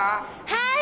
はい！